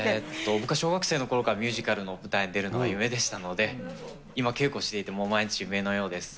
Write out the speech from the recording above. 僕は小学生のころからミュージカルの舞台に出るのが夢でしたので、今、稽古していてもう毎日、夢のようです。